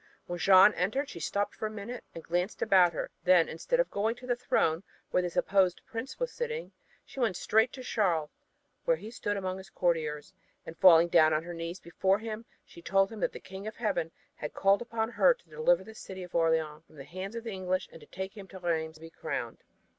When Jeanne entered she stopped for a minute and glanced about her. Then, instead of going to the throne where the supposed Prince was sitting, she went straight to Charles where he stood among his courtiers, and falling on her knees before him she told him that the King of Heaven had called upon her to deliver the city of Orleans from the hands of the English and to take him to Rheims to be crowned.